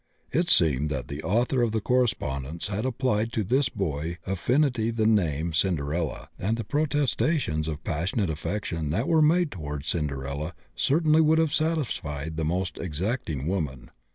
It seemed that the author of the correspondence had applied to his boy affinity the name Cinderella, and the protestations of passionate affection that were made toward Cinderella certainly would have satisfied the most exacting woman.